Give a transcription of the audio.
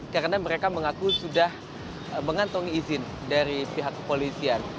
karena mereka mengaku sudah mengantongi izin dari pihak kepolisian